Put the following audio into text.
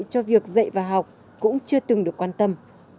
cho việc dạy và học cũng chưa từng được quan tâm